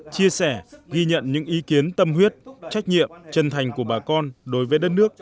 chia sẻ ghi nhận những ý kiến tâm huyết trách nhiệm chân thành của bà con đối với đất nước